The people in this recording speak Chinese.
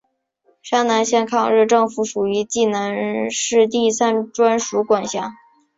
沙南县抗日政府属于冀南区第三专署管辖。